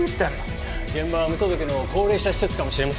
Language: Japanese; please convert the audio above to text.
現場は無届けの高齢者施設かもしれません。